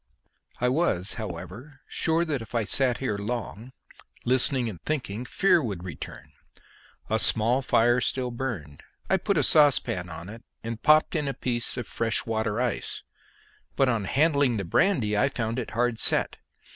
I was, however, sure that if I sat here long, listening and thinking, fear would return. A small fire still burned; I put a saucepan on it, and popped in a piece of the fresh water ice, but on handling the brandy I found it hard set.